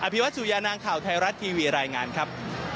ภิวัตสุยานางข่าวไทยรัฐทีวีรายงานครับ